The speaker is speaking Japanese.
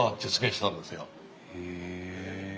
へえ！